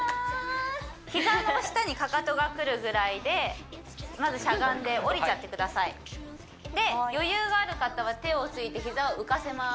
膝の下にかかとがくるぐらいでまずしゃがんで下りちゃってくださいで余裕がある方は手をついて膝を浮かせます